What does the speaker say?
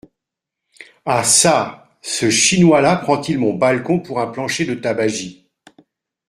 Ah ! çà ! ce Chinois-là prend-il mon balcon pour un plancher de tabagie…